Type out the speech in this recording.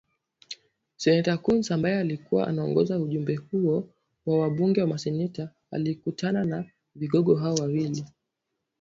Seneta Coons ambaye alikuwa anaongoza ujumbe huo wa wabunge na maseneta alikutana na vigogo hao wawili